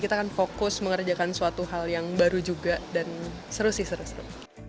kita kan fokus mengerjakan suatu hal yang baru juga dan seru sih seru seru